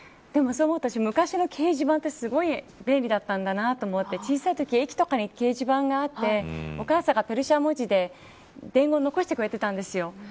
昔の掲示板ってすごい便利だったんだなと思って小さいとき駅とかに掲示板があってお母さんがペルシャ文字で伝言を残してくれてたんです。